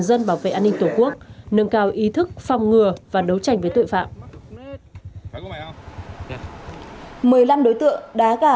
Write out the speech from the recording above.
dân bảo vệ an ninh tổ quốc nâng cao ý thức phòng ngừa và đấu tranh với tội phạm một mươi năm đối tượng đá gà